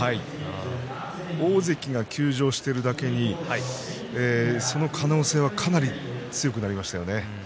大関が休場しているだけにその可能性はかなり強くなりましたよね。